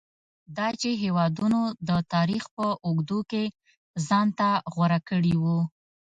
دا چې هېوادونو د تاریخ په اوږدو کې ځان ته غوره کړي وو.